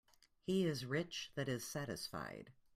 He is rich that is satisfied.